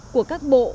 của các bộ